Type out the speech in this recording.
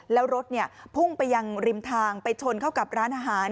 แล้วรถพุ่งไปยังริมทางไปชนเข้ากับร้านอาหาร